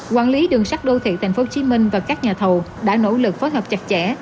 quản lý đường sắt đô thị tp hcm và các nhà thầu đã nỗ lực phối hợp chặt chẽ